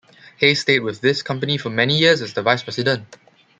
Hayes stayed with this company for many years as the vice president.